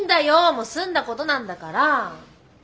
もう済んだことなんだから。